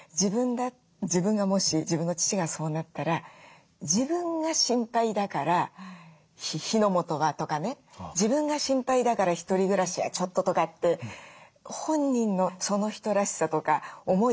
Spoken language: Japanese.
自分がもし自分の父がそうなったら自分が心配だから「火の元は」とかね自分が心配だから「一人暮らしはちょっと」とかって本人のその人らしさとか思い